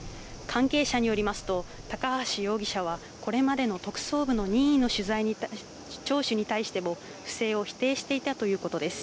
関係者によりますと、高橋容疑者は、これまでの特捜部の任意の聴取に対しても、不正を否定していたということです。